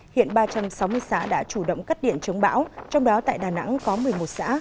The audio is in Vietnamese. hiện ba trăm sáu mươi xã đã chủ động cắt điện chống bão trong đó tại đà nẵng có một mươi một xã